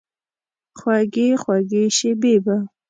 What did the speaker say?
خوږې، خوږې شیبې به،